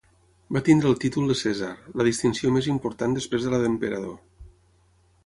Va tenir el títol de cèsar, la distinció més important després de la d'emperador.